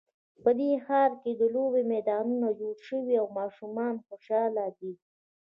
په دې ښار کې د لوبو میدانونه جوړ شوي او ماشومان خوشحاله دي